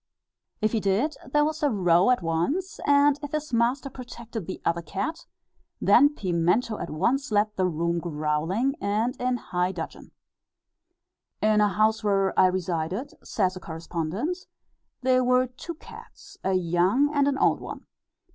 If he did, there was a row at once; and if his master protected the other cat, then Pimento at once left the room growling, and in high dudgeon. (See Note T, Addenda.) "In a house where I resided," says a correspondent (see Note U, Addenda), "there were two cats, a young and an old one.